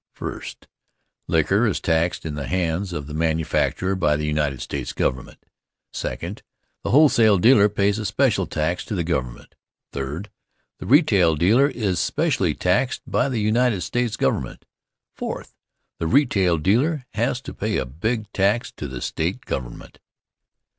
First, liquor is taxed in the hands of the manufacturer by the United States Government; second, the wholesale dealer pays a special tax to the government; third, the retail dealer is specially taxed by the United States Government; fourth, the retail dealer has to pay a big tax to the State government.